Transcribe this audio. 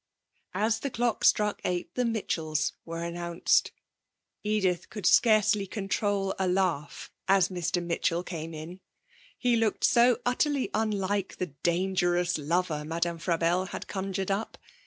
As the clock struck eight the Mitchells were announced. Edith could scarcely control a laugh as Mr Mitchell came in, he looked so utterly unlike the dangerous lover Madame Frabelle had conjured up.